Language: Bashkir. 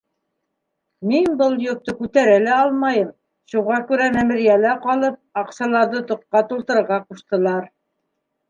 Мин был йөктө күтәрә лә алмайым, шуға күрә мәмерйәлә ҡалып, аҡсаларҙы тоҡҡа тултырырға ҡуштылар.